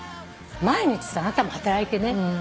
毎日あなたも働いて。